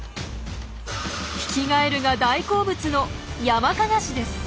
ヒキガエルが大好物のヤマカガシです。